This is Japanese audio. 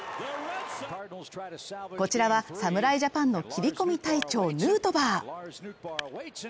こちらは侍ジャパンの切り込み隊長ヌートバー